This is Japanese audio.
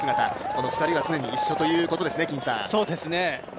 この２人が常に一緒ということですね。